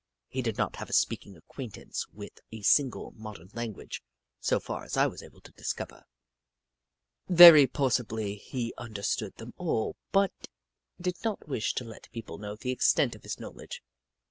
He did not have a speaking acquaintance with a single modern language, so far as I was able to discover. Very possibly he under stood them all, but did not wish to let people know the extent of his knowledge.